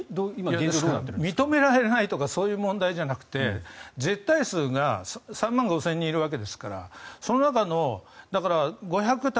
認められないとかそういう問題じゃなくて絶対数が３万５０００人いるわけですからその中の５００台